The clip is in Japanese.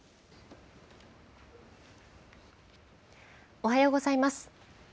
おはようございます。